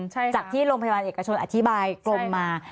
จากที่โรงพยาบาลเอกชนอธิบายกรมมา